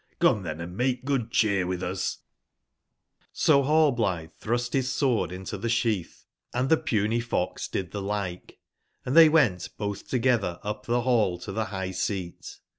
Come then & make good cheer with us I " So Rallblithe thrust his sword into the sheath, and the puny fox did the like, and they went both together up the hall to the high/seat.